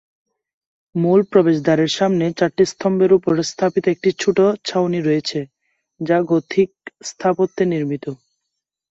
মূল প্রবেশদ্বারের সামনে চারটি স্তম্ভের উপর স্থাপিত একটি ছোট ছাউনি রয়েছে যা গথিক স্থাপত্যে নির্মিত।